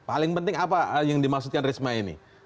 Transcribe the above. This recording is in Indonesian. paling penting apa yang dimaksudkan risma ini